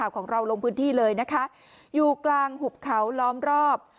ของเราลงพื้นที่เลยนะคะอยู่กลางหุบเขาล้อมรอบ